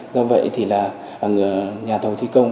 do vậy nhà thầu thi công